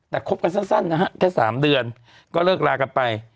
แต่คบกันสั้นนะฮะแค่๓เดือนก็เลิกลากันไป